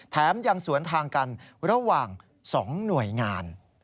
แถมยังสวนทางกันระหว่าง๒หน่วยงาน